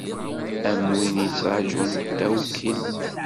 Am win yettṛajun tawkilt.